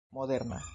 moderna